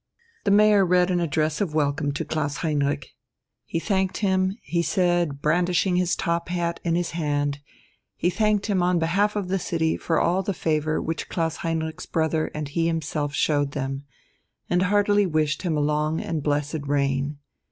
The Mayor read an address of welcome to Klaus Heinrich. He thanked him, he said, brandishing his top hat in his hand, he thanked him on behalf of the city for all the favour which Klaus Heinrich's brother and he himself showed them, and heartily wished him a long and blessed reign.